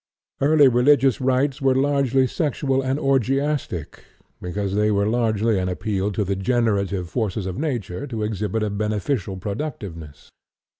Early religious rites were largely sexual and orgiastic because they were largely an appeal to the generative forces of Nature to exhibit a beneficial productiveness.